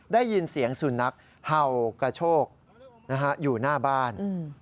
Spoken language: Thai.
ได้ยินเสียงสุนัขเห่ากระโชกอยู่หน้าบ้าน